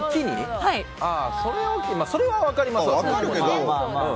それは分かりますわ。